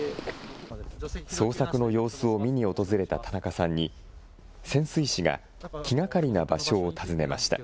捜索の様子を見に訪れた田中さんに、潜水士が気がかりな場所を尋ねました。